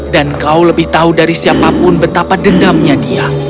dan kau lebih tahu dari siapapun betapa dengannya dia